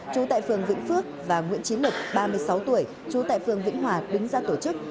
chú tại phường vĩnh phước và nguyễn chính lực ba mươi sáu tuổi chú tại phường vĩnh hòa đứng ra tổ chức